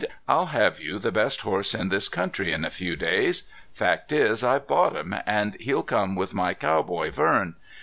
"I'll have you the best horse in this country in a few days. Fact is I've bought him, an' he'll come with my cowboy, Vern....